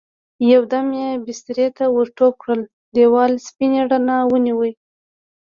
يو دم يې بسترې ته ور ټوپ کړل، دېوال سپينې رڼا ونيو.